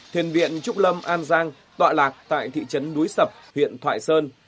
thiền viện trúc lâm an giang tọa lạc tại thị trấn núi sập huyện thoại sơn